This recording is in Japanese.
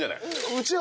うちは。